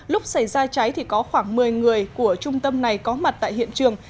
lúc xảy ra cháy thì có khoảng một mươi người của trung tâm này có mặt tại hiện trường